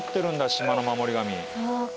島の守り神。